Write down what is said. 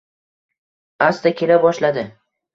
Asta kela boshladi.